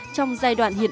trong giai đoạn hiệp pháp